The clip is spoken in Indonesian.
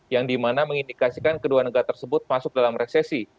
yang dimana mengindikasikan kedua negara tersebut masuk dalam resesi